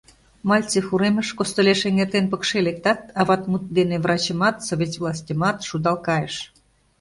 Мальцев уремыш, костылеш эҥертен, пыкше лектат, «ават» мут дене врачымат, совет властьымат шудал кайыш.